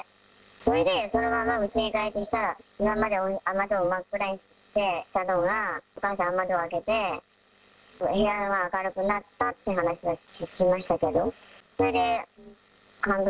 それでそのままうちへ帰ってきたら、今まで雨戸を真っ暗にしてたのが、お母さんが窓開けて、部屋が明るくなったっていう話を聞きましたけど。